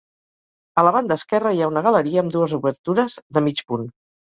A la banda esquerra hi ha una galeria amb dues obertures de mig punt.